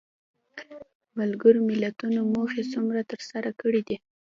ملګرو ملتونو موخې څومره تر سره کړې دي؟